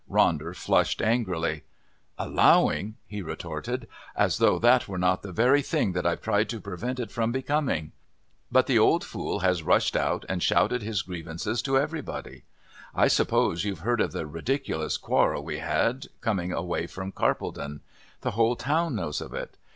Ronder flushed angrily. "Allowing!" he retorted. "As though that were not the very thing that I've tried to prevent it from becoming. But the old fool has rushed out and shouted his grievances to everybody. I suppose you've heard of the ridiculous quarrel we had coming away from Carpledon. The whole town knows of it.